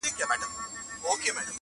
• چي تر شا وه پاته سوي دوه ملګري -